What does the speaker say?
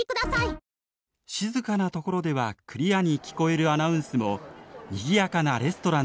静かなところではクリアに聞こえるアナウンスもにぎやかなレストランでは。